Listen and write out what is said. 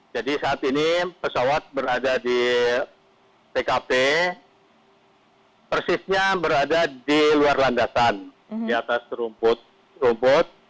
jadi saat ini pesawat berada di tkp persisnya berada di luar landasan di atas rumput